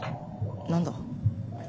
何だ？